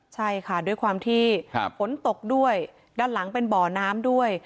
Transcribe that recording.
ใช่ค่ะด้วยความที่ฝนตกด้วยด้านหลังเป็นบ่อน้ำด้วย